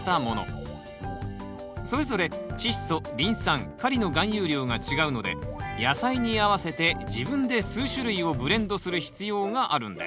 それぞれチッ素リン酸カリの含有量が違うので野菜に合わせて自分で数種類をブレンドする必要があるんです。